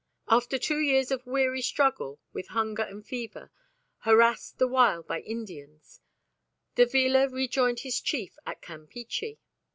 After two years of weary struggle with hunger and fever, harassed the while by Indians, Davila rejoined his chief at Campeachy.